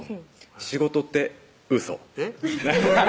仕事ってウソえっ？